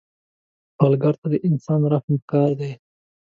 سوالګر ته د انسان رحم پکار دی